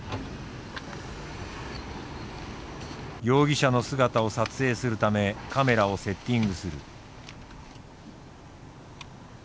容疑者の姿を撮影するためカメラをセッティングする。